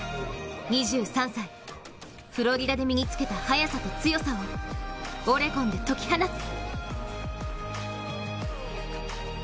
２３歳、フロリダで身につけた速さと強さをオレゴンで解き放つ。